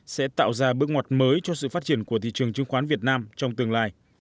sẽ tạo ra bước ngoặt mới cho sự phát triển của thị trường chứng khoán việt nam trong tương lai